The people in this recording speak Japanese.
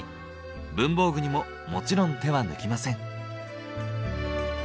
文房具にももちろん手は抜きません。